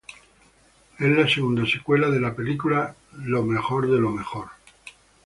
Es la segunda secuela de la película Best of the Best.